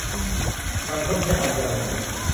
การค้นพบอัญมณี